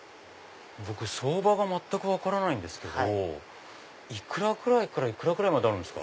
相場が全く分からないんですけど幾らくらいから幾らくらいまであるんですか？